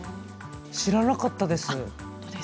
知らなかったです。